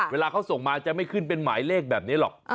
เวลาเขาส่งมาจะไม่ขึ้นเป็นหมายเลขแบบนี้หรอก